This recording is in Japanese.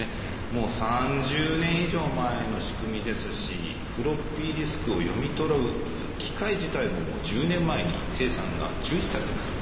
もう３０年以上前の仕組みですしフロッピーディスクを読み取る機械自体ももう１０年前に生産が中止されています。